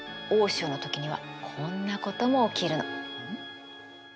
大潮の時にはこんなことも起きるの。